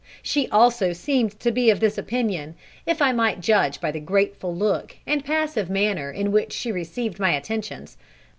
She also seemed to be of this opinion, if I might judge by the grateful look and passive manner in which she received my attentions.